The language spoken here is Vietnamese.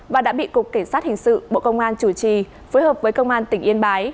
và đã bị cục cảnh sát hình sự bộ công an chủ trì phối hợp với công an tỉnh yên bái